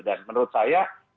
dan menurut saya